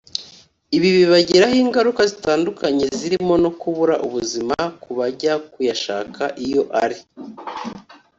Ibi bibagiraho ingaruka zitandukanye zirimo no kubura ubuzima ku bajya kuyashaka iyo ari